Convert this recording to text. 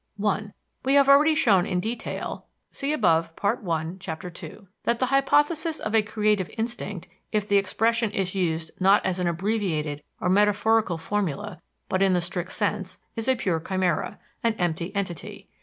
1. We have already shown in detail that the hypothesis of a "creative instinct," if the expression is used not as an abbreviated or metaphorical formula but in the strict sense, is a pure chimera, an empty entity.